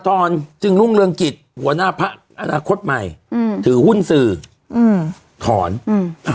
ตอนจึงรุ่งเรืองกิจหัวหน้าพักอนาคตใหม่อืมถือหุ้นสื่ออืมถอนอืม